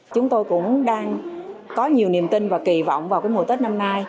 chúng tôi cũng đang có nhiều niềm tin và kỳ vọng vào mùa tết năm nay